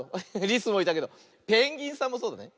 リスもいたけどペンギンさんもそうだね。